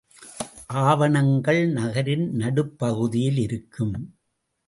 ஆவணங்கள் நகரின் நடுப்பகுதியில் இருக்கும்.